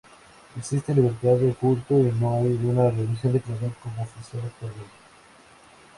Existe libertad de culto y no hay una religión declarada como oficial actualmente.